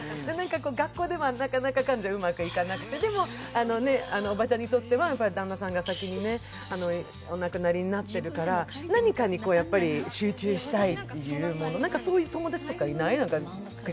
学校では何だかんだうまくいかなくて、でも、おばちゃんにとっては、旦那さんが先にお亡くなりになっているから、何かに集中したいという、そういう友達とかいない？